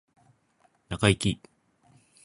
中イキ